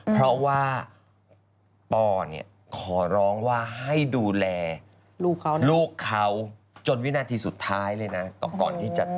เพราะว่าปอร์ขอร้องว่าให้ดูแลลูกเขาจนวินาทีสุดท้ายเลยนะ